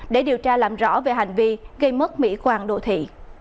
để điều tra làm rõ về hành vi gây mất mỹ quan đồ thị